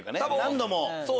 何度も。